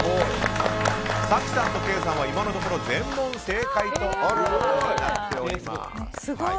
早紀さんとケイさんは今のところ全問正解となっています。